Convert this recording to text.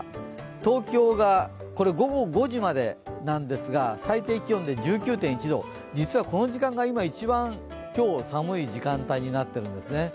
東京が午後５時までなんですが、最低気温で１９．１度、実はこの時間が一番今日、寒い時間帯になってるんですね。